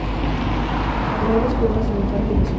Hay varias cuevas en el parque nacional.